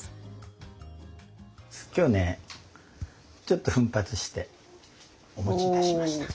今日ねちょっと奮発してお持ちいたしました。